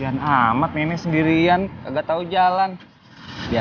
bang antri nenek ini ke keramat jati ya